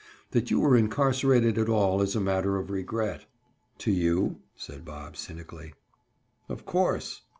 "That you were incarcerated at all is a matter of regret." "To you?" said Bob cynically. "Of course."